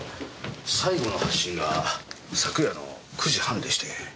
最後の発信が昨夜の９時半でして。